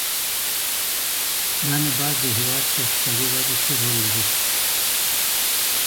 دا نبات د هېواد په اقتصادي وده کې رول لري.